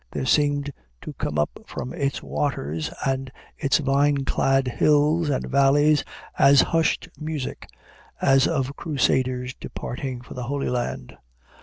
There seemed to come up from its waters and its vine clad hills and valleys a hushed music as of Crusaders departing for the Holy Land.